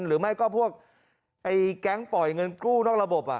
หรือไม่ก็พวกแก๊งปล่อยเงินกู้นอกระบบ